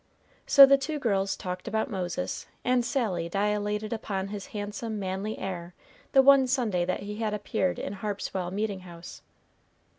So the two girls talked about Moses, and Sally dilated upon his handsome, manly air the one Sunday that he had appeared in Harpswell meeting house.